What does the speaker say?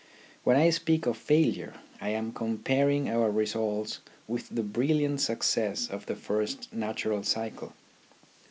When I speak of failure, I am comparing our results with the brilliant success of the first natural cycle.